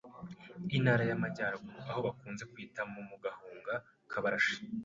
i ntara y’amajyaruguru, aho bakunze kwita mu mu Gahunga k’Abarashi